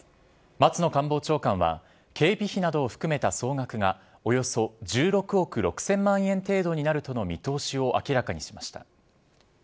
松野官房長官は、警備費などを含めた総額が、およそ１６億６０００万円程度になるとの見通しを明らかにしました。